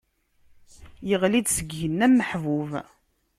Iɣli-d seg igenni am uḥbub.